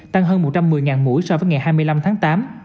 tăng hơn một trăm một mươi mũi so với ngày hai mươi năm tháng tám